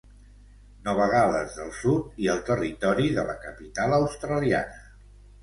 Nova Gal·les del Sud i el Territori de la Capital Australiana.